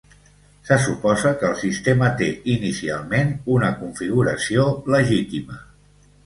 Se suposa que el sistema té inicialment una configuració legítima.